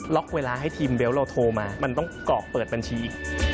เวลาให้ทีมเบลต์เราโทรมามันต้องกรอกเปิดบัญชีอีก